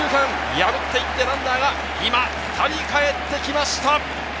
破って行ってランナーが今、２人かえってきました。